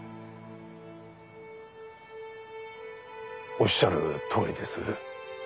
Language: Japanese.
おっしゃるとおりです。